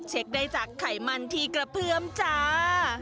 เช็คได้จากไขมันที่กระเพื่อมจ้า